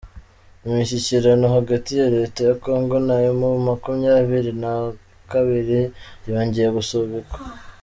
Imishyikirano hagati ya Leta ya kongo na emu makumyabiri nakabiri yongeye gusubikwa